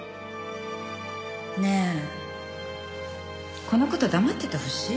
ねえこの事黙っててほしい？